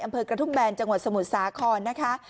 อำเภอกระทุ่มแบนจังหวัดสมุทรสาครนะคะ